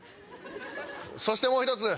そしてもう一つ！